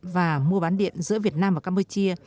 và mua bán điện giữa việt nam và campuchia